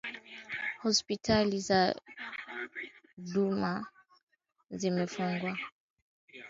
kutoka Uhindi China Asia ya Mashariki Amerika